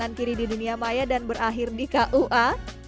yang kiri di dunia maya dan berakhir di kua